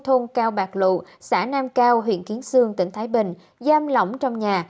thôn cao bạc lụ xã nam cao huyện kiến sương tỉnh thái bình giam lỏng trong nhà